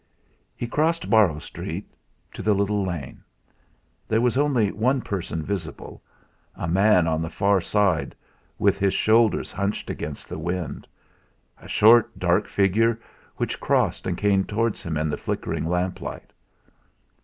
He crossed Borrow Street to the little lane. There was only one person visible, a man on the far side with his shoulders hunched against the wind; a short, dark figure which crossed and came towards him in the flickering lamplight.